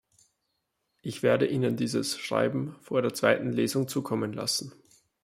Ich werde Ihnen dieses Schreiben vor der zweiten Lesung zukommen lassen.